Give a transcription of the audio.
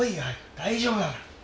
大丈夫だから。